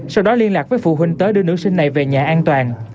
sau đó liên lạc với phụ huynh tới đưa nữ sinh này về nhà an toàn